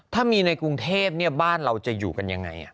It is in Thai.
ถ้ามีในกรุงเทพบ้านเราจะอยู่กันยังไง